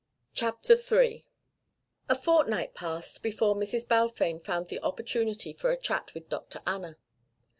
CHAPTER III A fortnight passed before Mrs. Balfame found the opportunity for a chat with Dr. Anna.